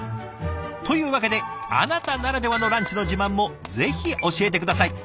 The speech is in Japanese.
というわけであなたならではのランチの自慢もぜひ教えて下さい。